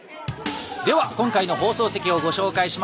では今回の放送席をご紹介しましょう。